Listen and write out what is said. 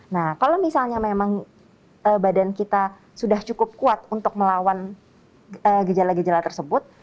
nah kalau misalnya memang badan kita sudah cukup kuat untuk melawan gejala gejala tersebut